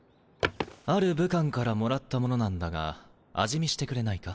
ある武官からもらったものなんだが味見してくれないか？